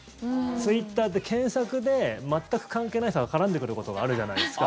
ツイッターって検索で全く関係ない人が絡んでくることがあるじゃないですか。